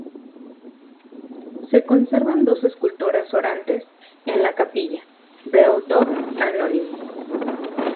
Se conservan dos esculturas orantes en la capilla, de autor anónimo.